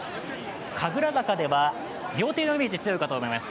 神楽坂では料亭のイメージが強いかと思います。